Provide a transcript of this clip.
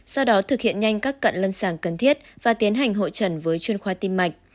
sau đó thực hiện nhanh các cận lâm sàng cần thiết và tiến hành hội trần với chuyên khoa tim mạch